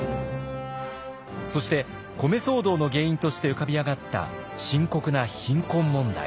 そして米騒動の原因として浮かび上がった深刻な貧困問題。